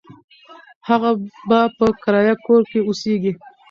هغه به په کرایه کور کې اوسیږي.